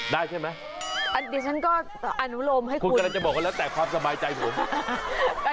ได้ใช่ไหมอันนี้ฉันก็อนุโลมให้คุณกำลังจะบอกว่าแล้วแต่ความสบายใจผม